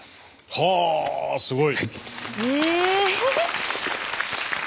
はあすごい。